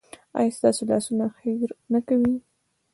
ایا ستاسو لاسونه خیر نه کوي؟